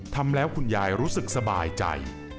ทำแล้วคุณยายรู้สึกสบายใจ